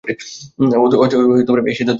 অতএব এই সিদ্ধান্তই বহাল হল।